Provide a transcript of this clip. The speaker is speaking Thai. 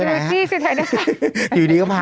อ่ะไปอยู่ที่สุดท้ายแล้วกัน